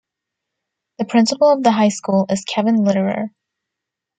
The principal of the high school is Kevin Litterer.